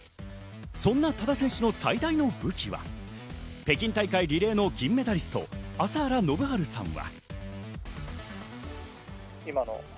そんな多田選手の最大の武器は北京大会リレーのメダリスト・朝原宣治さんは。